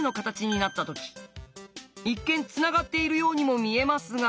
一見つながっているようにも見えますが。